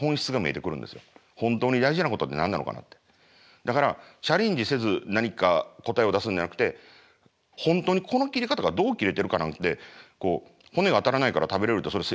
だからチャレンジせず何か答えを出すんじゃなくて本当にこの切り方がどう切れてるかなんてこう骨が当たらないから食べれるってそれ教わっただけだろう。